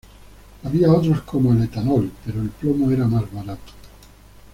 Había otros como el etanol, pero el plomo era más barato.